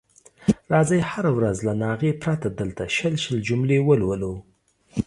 راځئ هره ورځ له ناغې پرته دلته شل شل جملې ولولو.